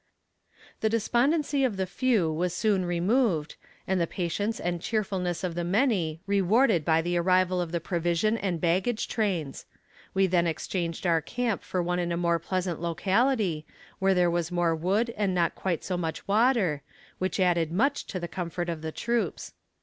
The despondency of the few was soon removed, and the patience and cheerfulness of the many rewarded by the arrival of the provision and baggage trains. We then exchanged our camp for one in a more pleasant locality, where there was more wood and not quite so much water, which added much to the comfort of the troops.